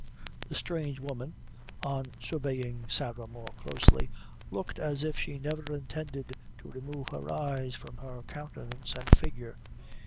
The strange woman, on surveying Sarah more closely, looked as if she never intended to remove her eyes from her countenance and figure.